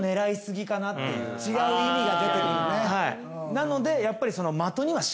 なのでやっぱり。